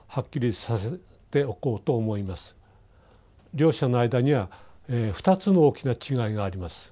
両者の間には二つの大きな違いがあります。